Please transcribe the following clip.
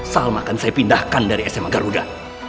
salma akan saya pindahkan dari sma garuda